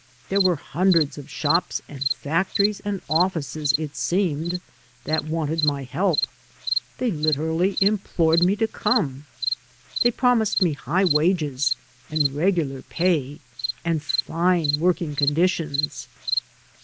There were hundreds of shops and factories and offices, it seemed, that wanted my help. They literally implored me to come. They promised me high wages, and regular pay, and fine working condi tions.